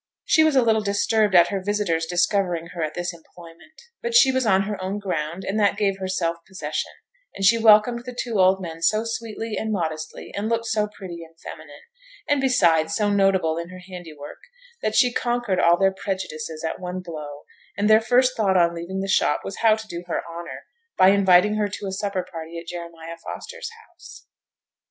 She was a little disturbed at her visitors discovering her at this employment; but she was on her own ground, and that gave her self possession; and she welcomed the two old men so sweetly and modestly, and looked so pretty and feminine, and, besides, so notable in her handiwork, that she conquered all their prejudices at one blow; and their first thought on leaving the shop was how to do her honour, by inviting her to a supper party at Jeremiah Foster's house.